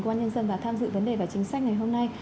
quân nhân dân đã tham dự vấn đề và chính sách ngày hôm nay